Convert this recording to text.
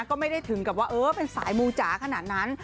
ก็ไม่ได้ถึงกับว่าเออเป็นสายมูจ๋าขนาดนั้น